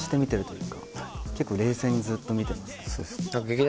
結構冷静にずっと見てますね。